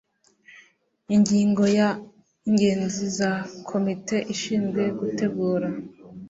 Ingingo ya Inzego za Komite ishinzwe gutegura